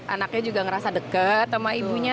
anaknya juga ngerasa deket sama ibunya